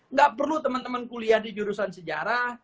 nggak perlu teman teman kuliah di jurusan sejarah